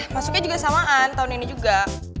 masuknya juga samaan tahun ini juga